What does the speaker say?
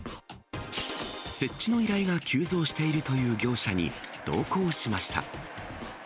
設置の依頼が急増しているという業者に同行しました。